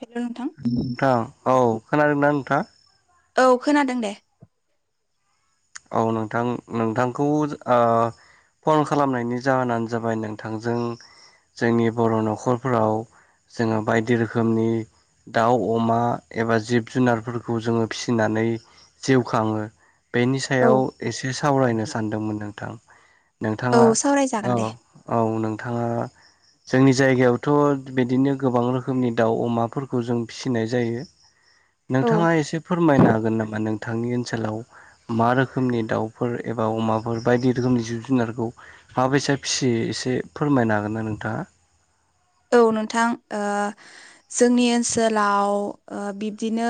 हेल' नोंथां नोंथां औ खोनादोंना नोंथां? औ खोनादों दे। औ नोंथां नोंथांखौ ओ फन खालामनायनि जाहोनानो जाबाय नोंथांजों जोंनि बर' न'खरफोराव जोङो बायदि रोखोमनि दाउ अमा एबा जिब जुनारफोरखौ जोङो फिसिनानै जिउ खाङो बेनि औ सायाव एसे सावरायनो सानदोंमोन नोंथां औ नोंथाङा सावरायजागोन औ दे औ नोंथाङा जोंनि जायगायावथ' बिदिनो गोबां रोखोमनि दाउ अमाफोरखौ जों फिसिनाय जायो औ नोंथाङा एसे फोरमायनो हागोन नामा नोंथांनि ओनसोलाव मा रोखोमनि दाउफोर एबा अमाफोर बायदि रोखोमनि जिब जुनारखौ माबैसा फिसियो एसे एसे फोरमायनो हागोन ना नोंथाङा औ नोंथां ओ जोंनि ओनसोलाव ओ बिब्दिनो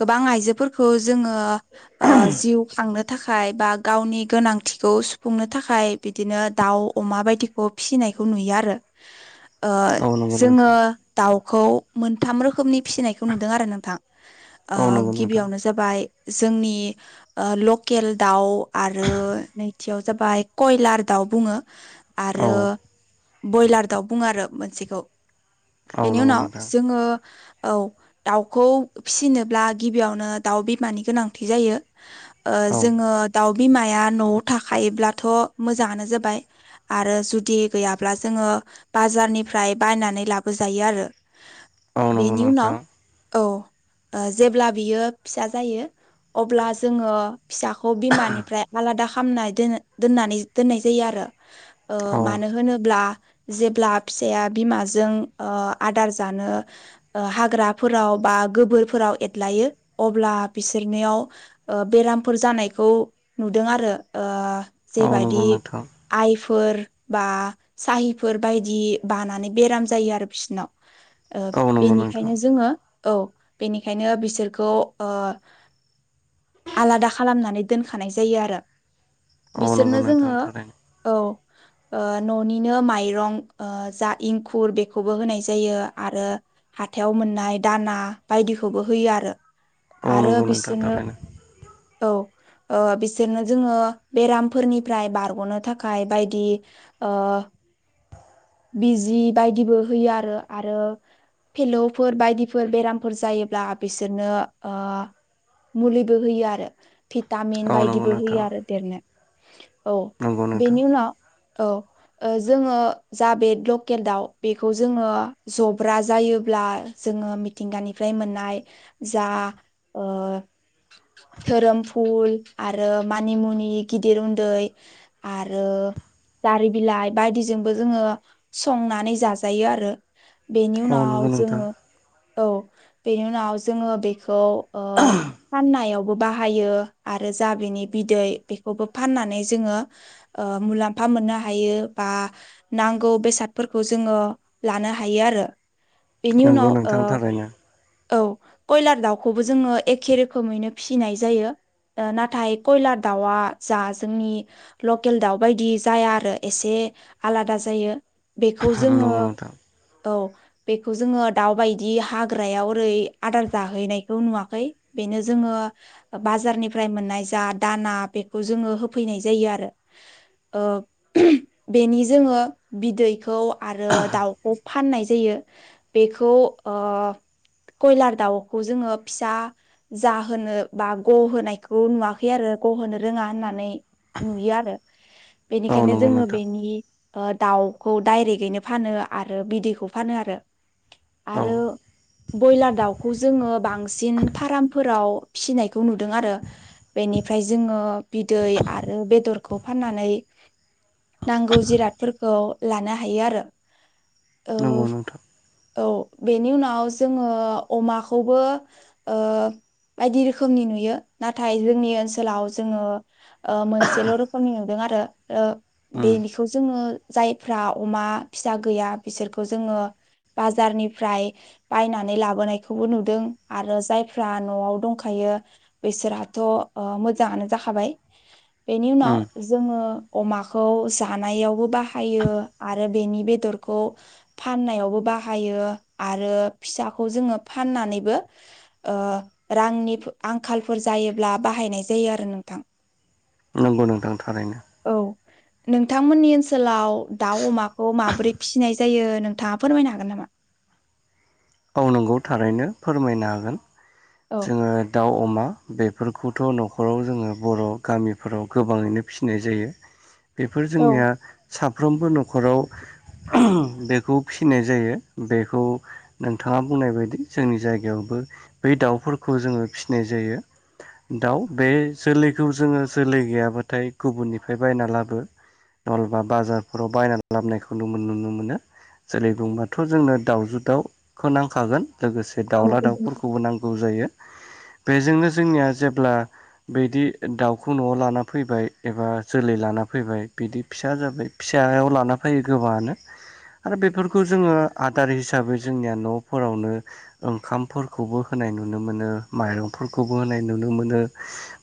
गोबां आइजोफोरखौ जोङो ओ जिउ खांनो थाखाय बा गावनि गोनांथिखौ सुफुंनो थाखाय बिदिनो दाउ, अमा बायदिखौ फिसिनाय खौ नुयो आरो ओ औ नंगौ जोङो नोंथां दावखौ मोनथाम रोखोमनि फिसिनायखौ नुदों आरो नोंथां ओ औ नंगौ नोंथां गिबियावनो जाबाय जोंनि ओ लकेल दाउ आरो नैथियाव जाबाय कयलार दाउ बुङो औ आरो बयलार दाउ बुङो आरो मोनसेखौ औ बेनि नंगौ उनाव नोंथां जोङो औ दाउखौ फिसिनोब्ला गिबियावनो दाउ बिमानि गोनांथि जायो ओ औ जोङो दाउ बिमाया न'आव थाखायोब्लाथ' मोजाङानो जाबाय आरो जुदि गैयाब्ला जोङो बारनिफ्राय बायनानै लाबो जायो आरो औ नंगौ बेनि उनाव नोंथां औ जेब्ला बियो फिसा जायो अब्ला जोङो फिसाखौ बिमानिफ्राय आलादा खालामामनानै दोन दोननानै दोननाय जायो आरो ओ औ मानो होनोब्ला जेब्ला फिसाया बिमाजों ओ आदार जानो हाग्राफोराव बा गोबोरफोराव एरलायो अब्ला बिसोरनियाव ओ बेरामफोर जानायखौ नुदों आरो ओ नंगौ जेबायदि नोंथां आइफोर बा साहिफोर बायदि बानानै बेराम जायो आरो बिसिनाव ओ औ नंगौ नोंथां औ नंगौ नोंथां बेनिखायनो जोङो औ बेनिखायनो बिसोरखौ आलादा खालामनानै दोनखानाय जायो आरो बिसोरनो जोङो थारैनो औ ओ न'निनो माइरं ओ जा इंखुर बेखौबो होनाय जायो आरो हाथायाव मोननाय दाना बायदि खौबो होयो आरो औ आरो नंगौ नोंथां बिसोरनो थारैनो औ ओ बिसोरनो जोङो बेरामफोरनिफ्राय बारग'नो थाखाय बायदि ओ बिजि बायदिबो होयो आरो आरो फेलौफोर बायदिफोर बेरामफोर जायोब्ला बिसोरनो ओ मुलिबो होयो आरो भिटामिन औ नंगौ बायदिबो होयो नोंथां आरो देरनो औ नंगौ नोंथां बेनि उनाव औ ओ जोङो जा बे लकेल दाउ बेखौ जोङो जब्रा जायोब्ला जोङो मिथिंगानिफ्राय मोननाय जा ओ धोरोम फुल आरो मानिमुनि गिदिर उन्दै आरो ओ जारि बिलाय बायदिजों जोङो संनानै जाजायो आरो बेनि औ नंगौ उनाव नोंथां जोङो औ बेनि उनाव जोङो बेखौ ओ फाननायाव खौ बाहायो आरो जा बिनि बिदै बेखौबो फननानै जोङो मुलामफा मोननो हायो बा नांगौ बेसादफोरखौ जोङो लानो हायो आरो बेनि नंगौ उनाव नोंथां थारैनो ओ औ कयलार दाउखौबो जोङो एखे रोखोमैनो फिसिनाय जायो नाथाय कयलार दाउआ जा जोंनि लकेल दाउ बायदि जाया आरो एसे आलादा जायो बेखौ [unintelligible] जोङो नोंथां औ बेखौ जोङो दाउ बायदि हाग्रायाव ओरै आदार जाहैनायखौ नुवाखै बेनो जो बार'नि मोननाय दाना बेखौ जों होफैनाय जायो आरो ओ [unintelligible] बेनि जोङो बिदैखौ आरो दाउखौ फाननाय जायो बेखौ ओ कयलार दाउखौ जोङो फिसा जाहोनो बा गहोनायखौ नुवाखै आरो गहोनो रोङा होननानै नुयो आरो औ बेनिखायनो नंगौ जोङो नोंथां बेनि दाउखौ डाइरेक्टैनो फानो आरो बिदैखौ फानो आरो औ आरो बयलार दाउखौ जोङो बांसिन फार्मफोराव फिसिनायखौ नुदों आरो बेनिफ्राय जोङो बिदै आरो बेदरखौ फाननानै नांगौ जिरादफोरखौ लानो हायो आरो। ओ नंगौ नोंथां। औ बेनि उनाव जोङो अमाखौबो ओ बायदि रोखोमनि नुयो नाथाय जोंनि ओनसोलाव जोङो ओ मोनसेल' रोखोमनि नुदों आरो ओ उम बेनिखौ जोङो जायफ्रा अमा फिसा गैया बिसोरखौ जोङो बाजारनिफ्राय बायनानै लाबोनायखौबो नुदों आरो जायफ्रा न'आव दंखायो [unintelligible] बेसोरहाथ' ओ मोजाङानो जाखाबाय। औ बेनि उनाव जोङो अमाखौ जानायावबो बाह हायो आरो बेनि बेदरखौ फाननायावबो बाहायो आरो फिसा खौ जोङो फाननानैबो ओ रांनिफो आंखालफोर जायोब्ला बाहायनाय जाय [unintelligible] आरो नोंथां। नंगौ नोंथां थारैनो। औ नोंथांमोननि ओनसोल सोलाव दाउ अमाखौ माबोरै फिसिनाय जायो नोंथाङा फोरमायनो हागोन नामा? औ नोंगौ थारैनो फोरमायनो हागोन औ जोङो दाउ अमा मा बेफोरखौथ' न'खराव जोङो बर' गामिफोराव गोबाङैनो फिसिनाय जायो। बेफोर औ जोंनिया साफ्रोमबो न'खराव बेखौ फिसिनाय जायो बेखौ नोंथाङा बुंनाय बायदि जोंनि जायगायाव बै दाउफोरखौ जोङो फिसिनाय जायो। दाउ बे जोलैखौ जोङो जोलै गैयाबाथाय गुबुननिफ्राय बायना लाबो नलबा बाजारफोराव बायनानै लाबोनायखौ नुनो [unintelligible] मोनो। जोलै बुंबाथ' जोंनो दाउजो दाउ खौ नांखागोन लोगोसे औ दाउला दाउफोरखौबो नांगो जायो। बेजोंनो जोंनिया जेब्ला बिदि दाउखौ न'आव लाना फैबाय एबा जोलै लाना फैबाय बिदि फिसा जाबाय फिसायाव लाना फैयो गोबाङानो आरो बेफोरखौ जोङो आदार हिसाबै जोंनिया न'फोरावनो ओंखामफोरखौबो होनाय नुनो मोनो मायरं फोरखोबो होनाय नुनो मोनो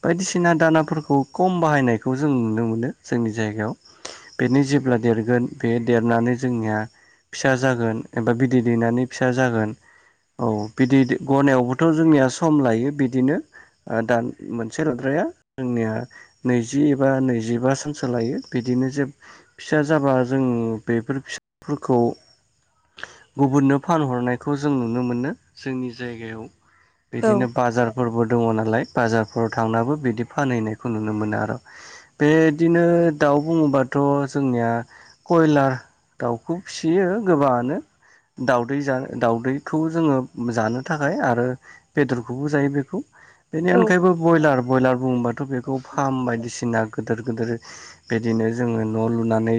बायदिसिना दावाफोरखौ कम बा बाहायनायखौ जों नुनो मोनो जोंनि जायगायाव बेनि जेब्ला देर गोन बे देरनानै जोंनिया फिसा जागोन एबा बिदै दैनानै फिसा जागोन औ बिदै दै ग'नायावबोथ‌' जोंनिया सम लायो बिदिनो ओ दान मोनसे लाद्राया जोंनिया नैजि एबा नैजिबा समसो लायो बिदि दिनो जे फिसा जाबा जों बेफोर फिसफोरखौ गुबुननो फानहरनायखौ जों नुनो मोनो जोंनि जायगायाव औ बिदिनो बाजारफोरबो दङो नालाय बाजारफोराव थांनाबो बिदि फानहैनायखौ नुनो मोनो आरो बे दिनो दा दाउ बुङोबाथ जोंनिया कयलार दाउखौ फिसियो गोबाङानो। दाउदै जानो दाउदैखौ जोङो जानो थाखाय आरो बेदरखौबो जायो बेखौ बेनि औ अनगायैबो बयलार बयलार बुङोबाथ' बेखौ फार्म बायदिसिना गोदोर गोदोर बिदिनो जोङो न' लुनानै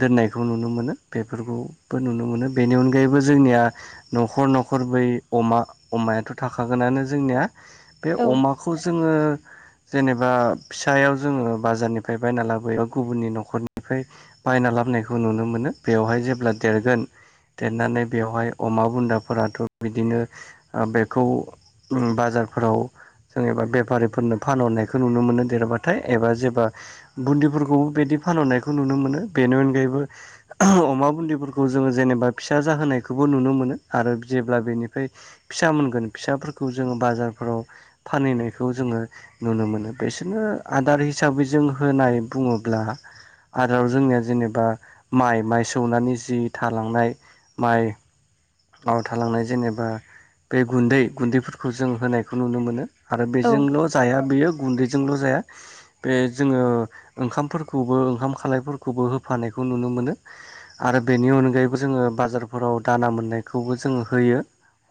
दोननायखौ नुनो मोनो बेफोरखौबो नुनो मोनो बेनि अनगायैबो जोंनिया न'खर न'खर बै अमा अमायाथ' थाखागोनानो जोंनिया बे औ अमाखौ जोङो जेनेबा फिसायाव जोङो बाजारनिफ्राय बायना लाबोयो‌ गुबुननि नखरनिफ्राय बायना लाबोनायखौ नुनो मोनो बेवहाय जेब्ला देरगोन देरनानै बेवहाय अमा बुन्दाफोराथ' बिदिनो ओ बेखौ उम बाजारफोराव जों एबा बेफारिफोरनो फानहरनायखौ नुनो मोनो देरबाथाय एबा जेबा बुन्दिफोरखौबो बिदि फानहरनायखौ नुनो मोनो बेनि अनगायैबो अमा बुदिफोरखौ जोङो जेनेबा फिसा जाहोनायखौ खौ नुनो मोनो आरो जेब्ला बेनि फ्राय फिसा मोनगोन फिसाफोरखौ जोङो बाजारफोराव फानहैनायखौ जोङो नुनो मोनो। बिसोरनो आदार हिसाबै जों होनाय बुङोब्ला आदाराव जोंनिया जेनेबा माइ माइ सौनानै जि थालांनाय माइ आव थालांनाय जेनेबा बे गुन्दै गुन्दैफोरखौ जों होनायखौ नुनो मोनो। आरो बेजोंल' जाया बेयो गुन्दैजोंल' जाया बे जोङो ओंखामफोरखौबो ओंखाम खालायफोरखौबो होफानायखौ नुनो मोनो आरो बेनि अनायैबो जोङो बाजारफोराव दाना मोननाय खौबो जोङो होयो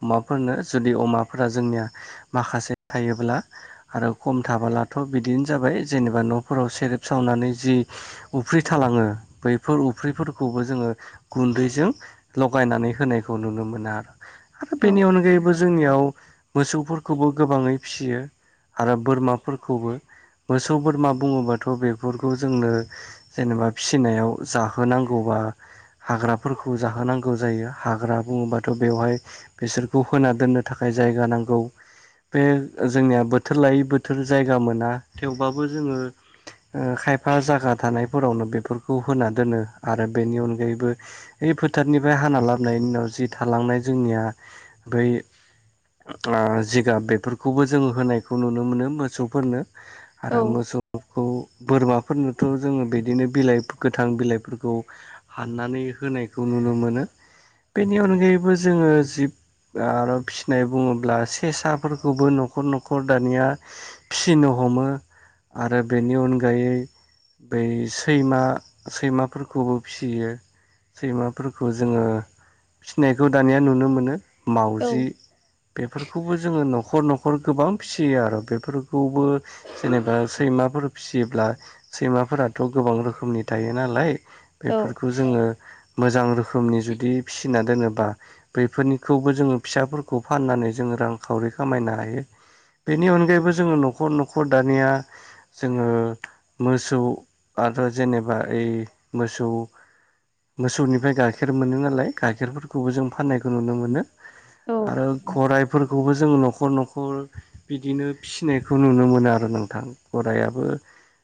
अमाफोरनो जुदि अमाफोरा जोंनिया माखासे थायोब्ला आरो खम थाबोला थ' बिदिनो जाबाय जेनेबा न'फोराव सेरेब सावनानै जि उफ्रि थालाङो बैफोर उफ्रिफोरखौबो जोङो गुन्दैजों लगायनानै होनाय खौ नुनो मोनो आरो आरो बेनि औ अनगायैबो जोंनियाव मोसौफोरखौबो गोबाङै फियो आरो बोरमाफोरखौबो मोसौ बोरमा बुङोबाथ' बेफोरखौ जोंनो जेनोबा फिसिनायाव जाहोनांगौ बा हाग्राफोरखौ जाहोनांगौ जायो। हाग्रा बुङोबाथ' बेवहाय बिसोरखौ होना दोननो थाखाय जायगा नांगौ। बे जोंनिया बोथोर लायै बोथोर जायगा मोना थेवबाबो जोङो ओ खायफा जागा थानायफोरावनो बेफोरखौ होना दोनो आरो बेनि अनगायैबो इ फोथारनिफ्राय हाना लाबोनायनि उनाव जि थालांनाय जोंनिया बै आ जिगाब बेफोरखौबो जों होनायखौ नुनो मोनो मोसौफोरनो आरो मोसौखौ बोरमाफोरनोथ' जोङो बिदिनो बिलाइ गोथां बिलाइ फोरखौ हाननानै होनायखौ नुनो मोनो। बेनि अनगायैबो जोङो जिब आरो फिसिनाय बुङोब्ला सेसाफोरखौबो न'खर न'खर दानिया फिसिनो हमो आरो बेनि अनगायै बै सैमा सैमाफोरखौबो फियो। सैमाफोरखौ जोङो फिनायखौ दानिया नुनो मोनो मावउजि औ बेफोरखौबो जोङो न' खर न'खर गोबां फिसियो आरो बेफोरखौबो जेनेबा सैमाफोर फिसियोब्ला सैमाफोराथ' गोबां रोखोमनि थायो नालाय बेफोरखौ जोङो मोजां रोखोमनि जुदि फिसिना दोनोबा बैफोरनिखौबो जोङो फिसाफोरखौ फाननानै जोङो रांखावरि खामायनो हायो। बेनि अनगायैबो जोङो न'खर न'खर दानिया जोङो मोसौ आरो जेनेबा ओइ मोसौ मोसौनिफ्राय गाइखेर मोनो नालाय गाइखेरफोरखौबो जों फाननाय नुनो मोनो औ आरो खराइफोरखौबो जों न'खर न'खर बिदिनो फिसिनायखौ नुनो मोनो आरो नोंथां गरायाबो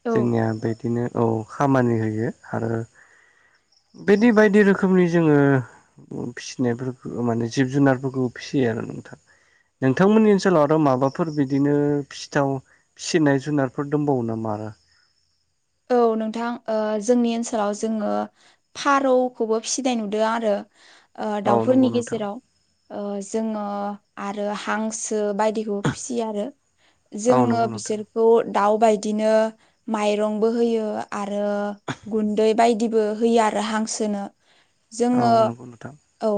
औ जोंनिया बेदिनो औ खामानि होयो आरो बिदि बायदि रोखोमनि जोङो फिसिनायफोरखौ माने जिब जुनारफोरखौ फिसियो आरो नोंथां। नोंथांमोननि ओनसोलाव आरो माबाफोर बिदिनो फिथाव फिसिनाय जुनारफोर दंबावो नामा आरो? औ नोंथां जोंनि ओनसोलाव जोङो फारौखौबो फिसिनाय नुदों आरो ओ औ नंगौ दाउफोरनि नोंथां गेजेराव ओ जोङो आरो हांसो बायदिखौ फिसियो आरो। औ जोङो नंगौ नोंथां बिसोरखौ दाउ बायदिनो माइ रंबो होयो आरो गुन्दै बायदिबो होयो आरो हांसोनो। औ जोङो नंगौ नोंथां औ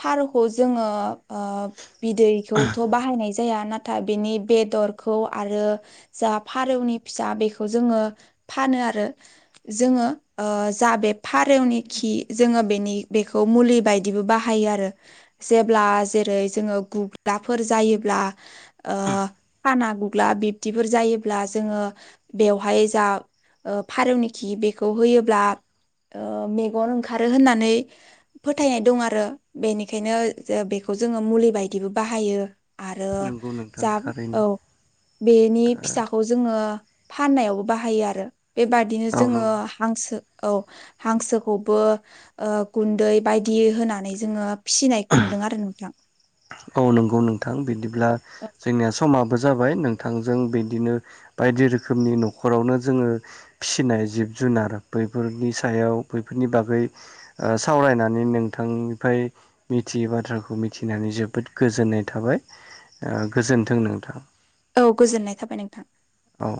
फारौखौ जोङो ओ बिदैखौथ' बाहायनाय जाया नाथाय बेनि बेदरखौ आरो जा फारौनि फिसा बेखौ जोङो फानो आरो जोङो जा बे फारेवनि खि जोङो बेनि बे खौ मुलि बायदिबो बाहायो आरो जेब्ला जेरै जोङो गुग्राफोर जायोब्ला फाना गुग्ला बिब्दिफोर जायोब्ला जोङो बेवहाय जा फारौनिखि बेखौ होयोब्ला मेगन ओंखारो होननानै फोथायनाय दं आरो बेनिखायनो बेखौ खौ जोङो मुलि बायदिबो बाहायो आरो नंगौ नोंथां जा थारैनो औ बेनि फिसाखौ जोङो फाननायावबो बाहायो आरो बेबादिनो औ जोङो नंगौ हांसो औ हांसोखौबो गुन्दै बायदि होनानै जोङो फिसिनायखौ नुदों आरो नोंथां औ नंगौ नोंथां बिदिब्ला जोंनिया समा बो जाबाय नोंथांजों बिदिनो बायदि रोखोमनि न'खरावनो जोङो फिसिनाय जिब जुनार बैफोरनि सायाव बैफोरनि बागै सावरायनानै नोंथांनिफ्राय मिथियै बाथ्राखौ मिथिनानै जोब जोबोद गोजोननाय थाबाय गोजोन्थों नोंथां औ गोजोननाय थाबाय नोंथां औ